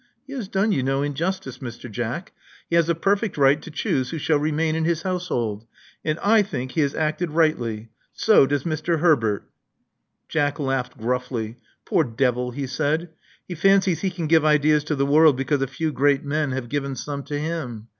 He has done you no injustice, Mr. Jack. He has a perfect right to choose who shall remain in his house hold. And I think he has acted rightly. So does Mr. Herbert." Jack laughed gruffly. Poor devil!" he said, he fancies he can give ideas to the world because a few great men have given some to him.